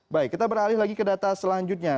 baik kita beralih lagi ke data selanjutnya